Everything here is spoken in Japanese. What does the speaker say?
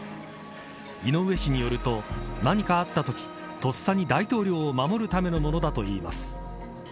井上氏によると、何かあったときとっさに大統領を守るためのものだといいます。